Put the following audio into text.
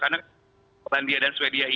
karena polandia dan sweden ini